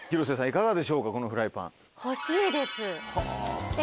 いかがでしょうかこのフライパン。